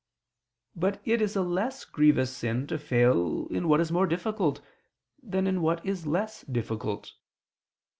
But it is a less grievous sin to fail in what is more difficult, than in what is less difficult.